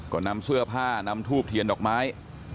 ก็นำเสื้อผ้านำทูบเทียนดอกไม้